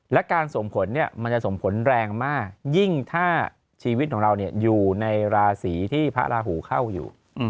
และการส่งผลมันจะส่งผลแรงมากยิ่งถ้าชีวิตของเราอยู่ในราศีที่พระราหูเข้าอยู่